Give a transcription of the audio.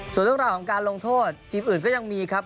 ส่วนเรื่องราวของการลงโทษทีมอื่นก็ยังมีครับ